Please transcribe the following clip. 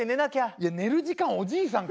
いや寝る時間おじいさんか！